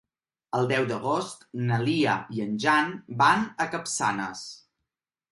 El deu d'agost na Lia i en Jan van a Capçanes.